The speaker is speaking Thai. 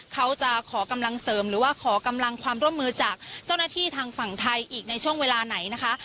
เขาจะขอกำลังเสริมหรือว่าขอกำลังความร่วมมือจากเจ้าหน้าที่ทางฝั่งไทยอีกในช่วงเวลาไหนนะคะ